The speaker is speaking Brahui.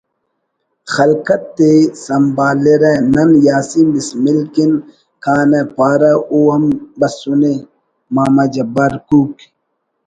خلکت ءِ سنبھالرہ نن یاسین بسمل کن کانہ پارہ او ہم بسنے ……ماما جبار کوک